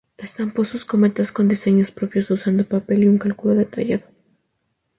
Estampó sus cometas con diseños propios usando papel y un cálculo detallado.